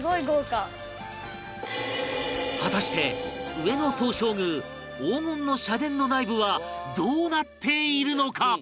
果たして上野東照宮黄金の社殿の内部はどうなっているのか？